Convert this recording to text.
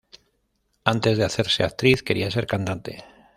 Antes de hacerse actriz, quería ser cantante.